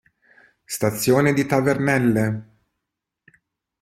Stazione di Tavernelle